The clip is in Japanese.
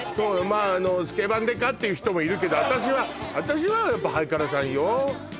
まああの「スケバン刑事」っていう人もいるけど私は私はやっぱはいからさんよ